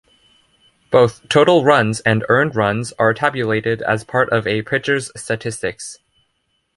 Both total runs and earned runs are tabulated as part of a pitcher's statistics.